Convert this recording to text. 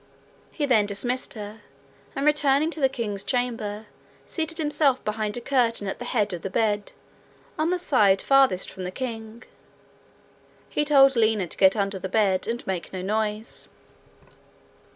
He then dismissed her, and returning to the king's chamber, seated himself behind a curtain at the head of the bed, on the side farthest from the king. He told Lina to get under the bed, and make no noise.